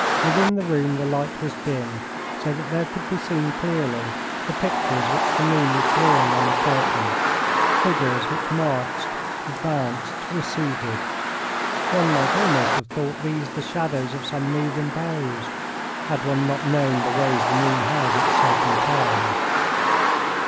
Within the room the light was dim, so that there could be seen clearly the pictures which the moon was drawing on the curtain, figures which marched, advanced, receded. One might almost have thought these the shadows of some moving boughs, had one not known the ways the moon has at certain times.